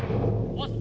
押忍。